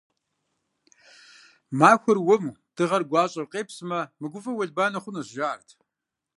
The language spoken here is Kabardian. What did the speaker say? Махуэр уэму дыгъэр гуащӀэу къепсмэ, мыгувэу уэлбанэ хъунущ, жаӀэрт.